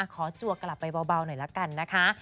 ขอจวกกลับไปเบาหน่อยละกันนะคะ